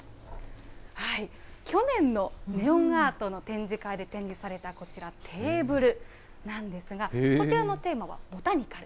去年のネオンアートの展示会で展示された、こちら、テーブルなんですが、こちらのテーマは、ボタニカル。